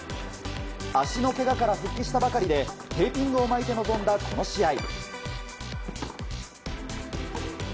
足のけがから復帰したばかりでテーピングを巻いて臨んだこの試合。